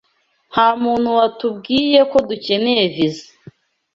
Nta muntu watubwiye ko dukeneye viza.